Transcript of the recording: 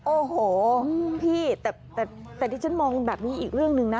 โอ้โหพี่แต่ที่ฉันมองแบบนี้อีกเรื่องหนึ่งนะ